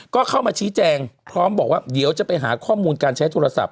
ก็เข้ามาชี้แจงพร้อมบอกว่าเดี๋ยวจะไปหาข้อมูลการใช้โทรศัพ